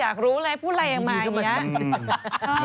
อยากรู้เลยพูดอะไรออกมาอย่างนี้